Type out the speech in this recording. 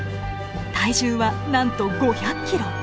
体重はなんと５００ｋｇ。